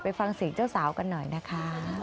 ฟังเสียงเจ้าสาวกันหน่อยนะคะ